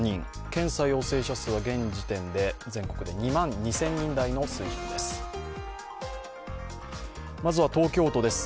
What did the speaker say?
検査陽性者数は現時点で全国で２万２０００人台の水準です。